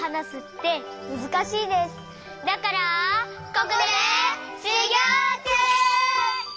ここでしゅぎょうちゅう！